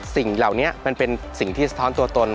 สิ่งเหล่านี้มันเป็นสิ่งที่สะท้อนตัวตน